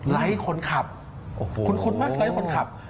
ไร้คนขับคุ้นมากไร้คนขับ